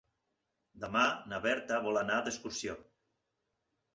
Demà na Berta vol anar d'excursió.